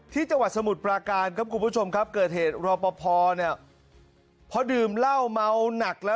ที่เกิดเหตุรอปภพอดื่มเล่าเมาหนักครับคุณผู้ชม